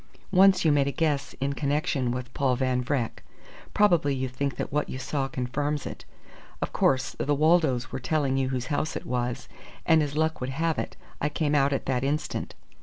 Once you made a guess in connection with Paul Van Vreck. Probably you think that what you saw confirms it. Of course, the Waldos were telling you whose house it was; and as luck would have it, I came out at that instant.